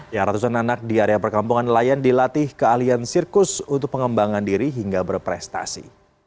ya ratusan anak di area perkampungan layan dilatih ke alian sirkus untuk pengembangan diri hingga berprestasi